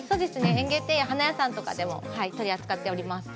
園芸店や花屋さんでも取り扱っています。